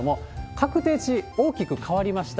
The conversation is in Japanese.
確定値、大きく変わりました。